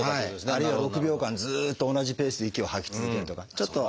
あるいは６秒間ずっと同じペースで息を吐き続けるとかちょっと。